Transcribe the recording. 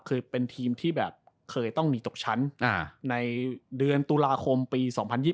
คือเป็นทีมที่แบบเคยต้องมีตกชั้นในเดือนตุลาคมปี๒๐๒๐